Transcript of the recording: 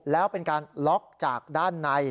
แล้วเป็นการล็อกจากด้านใน